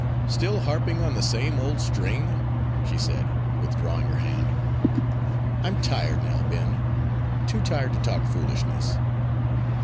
"Still harping on the same old string," she said, withdrawing her hand. "I'm tired now, Ben, too tired to talk foolishness."